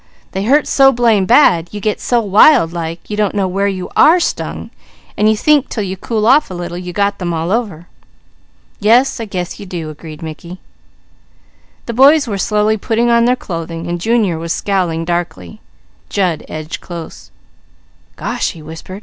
They hurt so blame bad, you get so wild like you don't know where you are stung, and you think till you cool off a little, you got them all over." "Yes I guess you do," agreed Mickey. The boys were slowly putting on their clothing and Junior was scowling darkly. Jud edged close. "Gosh!" he whispered.